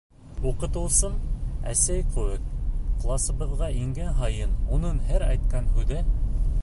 Уҡытыусым, әсәй кеүек, Класыбыҙға ингән һайын Уның һәр әйткән һүҙе.